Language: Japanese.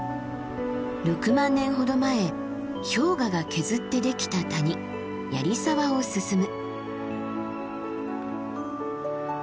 ６万年ほど前氷河が削ってできた谷槍沢を進む。